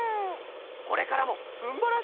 これからもすんばらしい